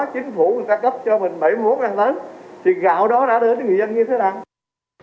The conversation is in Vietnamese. chính phủ người ta cấp cho mình bảy mươi bốn ngàn tấn thì gạo đó đã đến người dân như thế nào